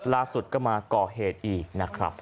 ล่าสุดก็มาก่อเหตุอีกนะครับ